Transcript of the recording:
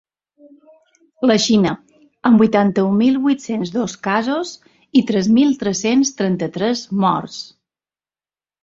La Xina, amb vuitanta-un mil vuit-cents dos casos i tres mil tres-cents trenta-tres morts.